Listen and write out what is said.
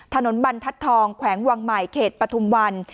บรรทัศน์ทองแขวงวังใหม่เขตปฐุมวัน